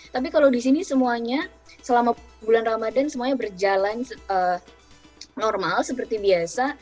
tapi kalau di sini semuanya selama bulan ramadan semuanya berjalan normal seperti biasa